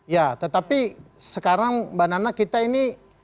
ya tetapi sekarang mbak nana kita ini